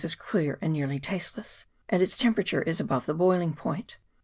is clear and nearly tasteless, and its temperature is above the boiling point.